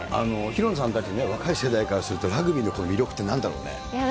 紘菜さんたちね、若い世代からすると、ラグビーの魅力ってな